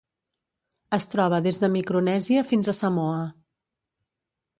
Es troba des de Micronèsia fins a Samoa.